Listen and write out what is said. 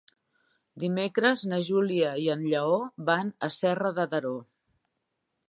Dimecres na Júlia i en Lleó van a Serra de Daró.